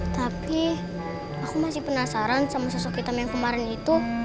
tapi aku masih penasaran sama sosok hitam yang kemarin itu